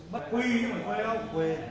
bất quy nhưng mà khói đâu